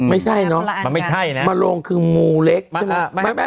ไม่ใช่เนอะมันไม่ใช่นะมาลงคืองูเล็กใช่ไหม